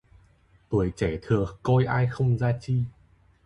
Tuổi trẻ thường coi ai không ra chi